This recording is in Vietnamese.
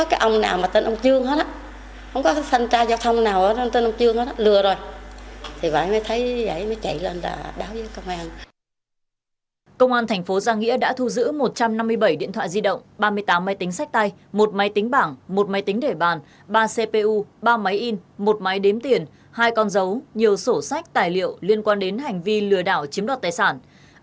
công an thành phố giang nghĩa đã thu giữ một trăm năm mươi bảy điện thoại di động ba mươi tám máy tính sách tay một máy tính bảng một máy tính để bàn ba cpu ba máy in một máy đếm tiền hai con dấu nhiều sổ sách tài liệu liên quan đến hành vi lừa đảo chiếm đoạt tài sản